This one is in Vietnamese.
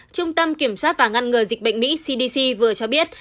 trung tâm kiểm soát và ngăn ngừa dịch bệnh mỹ cdc vừa cho biết